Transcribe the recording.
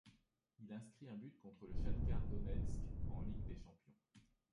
Il inscrit un but contre le Shakhtar Donetsk en Ligue des champions.